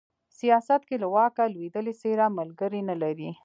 سياست کې له واکه لوېدلې څېره ملگري نه لري